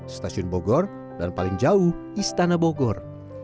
stasiun bogor dan paling jauh istana bogor